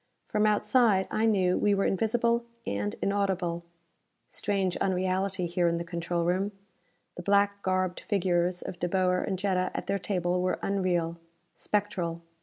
From outside, I knew, we were invisible and inaudible. Strange unreality, here in the control room! The black garbed figures of De Boer and Jetta at their table were unreal, spectral.